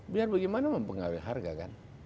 biar bagaimana mempengaruhi harga kan